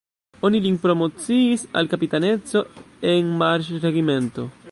Oni lin promociis al kapitaneco en marŝregimento!